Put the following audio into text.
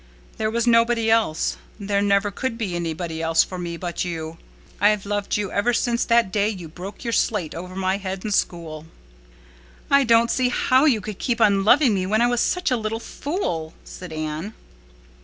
There was nobody else—there never could be anybody else for me but you. I've loved you ever since that day you broke your slate over my head in school." "I don't see how you could keep on loving me when I was such a little fool," said Anne.